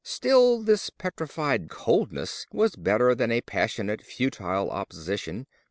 Still, this petrified coldness was better than a passionate, futile opposition.